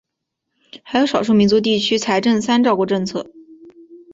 还有少数民族地区财政三照顾政策。